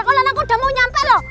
kalau anakku udah mau nyampe loh